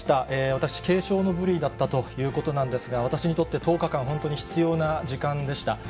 私、軽症の部類だったということなんですが、私にとって１０日間、本当に必要な時間でした。